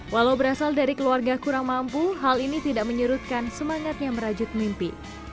walau berasal dari keluarga kurang mampu hal ini tidak menyerutkan semangatnya merajut mimpi